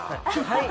はい？